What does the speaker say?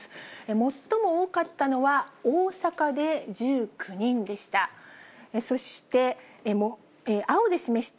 最も多かったのは、大阪で１９人でした。